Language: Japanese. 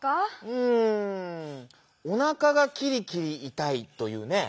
うん「おなかがきりきりいたい」というねぇ。